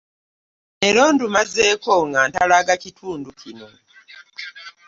Leero ndumazeeko nga ntalaaga kitundu kino.